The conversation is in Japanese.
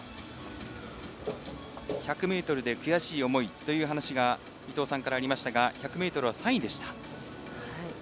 １００ｍで悔しい思いという話が、伊藤さんからありましたが１００ｍは３位でした。